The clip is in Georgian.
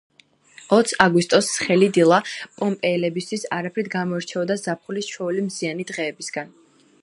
ოც აგვისტოს ცხელი დილა პომპეელებისთვის არაფრით გამოირჩეოდა ზაფხულის ჩვეული მზიანი დღეებისგან.